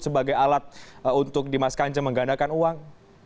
sebagai alat untuk dimas kanjeng menggandakan uang